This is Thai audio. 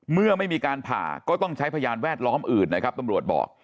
เมื่อไม่มีการผ่าก็ต้องใช้พยานแวดล้อมอื่นนะครับตำรวจบอก